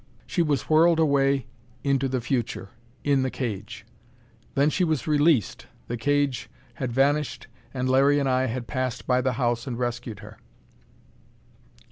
She was whirled away into the future, in the cage; then she was released, the cage had vanished, and Larry and I had passed by the house and rescued her.